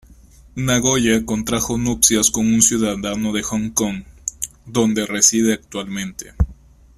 Nagoya contrajo nupcias con un ciudadano de Hong Kong, donde reside actualmente.